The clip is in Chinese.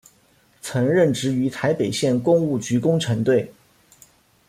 曾任职于台北县工务局工程队。